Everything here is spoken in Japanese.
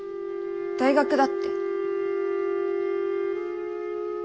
大学だって。